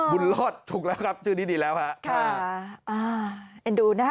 บุญรอดถูกแล้วครับชื่อนี้ดีแล้วครับ